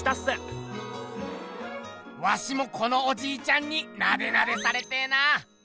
ワシもこのおじいちゃんになでなでされてぇな！